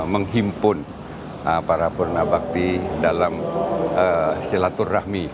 menghimpun para purna bakti dalam silaturahmi